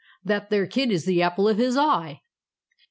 That there kid is the apple of his eye."